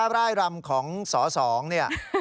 ไล่รำของสอสองเนี่ย